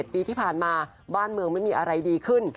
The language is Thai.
ปีที่ผ่านมาบ้านเมืองไม่มีอะไรดีขึ้น